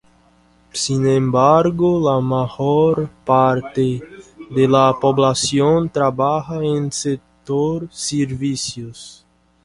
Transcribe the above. Sin embargo la mayor parte de la población trabaja en el sector servicios.